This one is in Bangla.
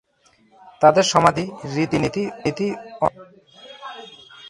তাদের সমাধি রীতিনীতি অন্যন্য।